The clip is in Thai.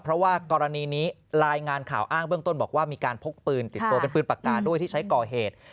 เพราะว่ากรณีนี้รายงานข่าวอ้างเบื้องต้นบอกว่ามีการพกปืนติดตัวเป็นปืนปากกาด้วยที่ใช้ก่อเหตุ